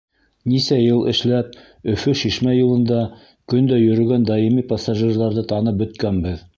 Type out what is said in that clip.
— Нисә йыл эшләп, Өфө — Шишмә юлында көн дә йөрөгән даими пассажирҙарҙы танып бөткәнбеҙ.